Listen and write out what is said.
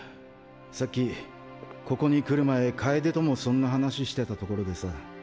さっきここに来る前楓ともそんな話してたところでさ。